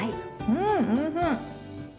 うんおいしい！